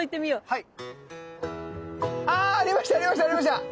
はい。